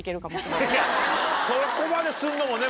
そこまでするのもね